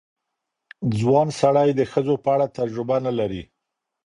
ځوان سړی د ښځو په اړه تجربه نه لري.